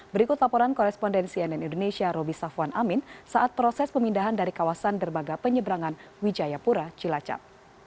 berikut laporan korespondensi nn indonesia roby safwan amin saat proses pemindahan dari kawasan derbaga penyeberangan wijayapura cilacap